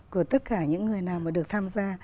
của tất cả những người nào mà được tham gia